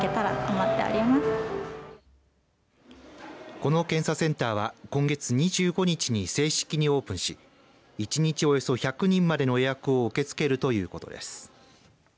この検査センターは今月２５日に正式にオープンし１日およそ１００人までの予約を受け付けるということです。